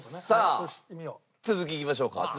さあ続きいきましょうか。